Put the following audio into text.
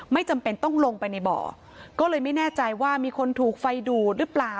ไม่จำเป็นต้องลงไปในบ่อก็เลยไม่แน่ใจว่ามีคนถูกไฟดูดหรือเปล่า